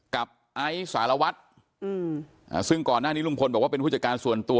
ไอซ์สารวัตรซึ่งก่อนหน้านี้ลุงพลบอกว่าเป็นผู้จัดการส่วนตัว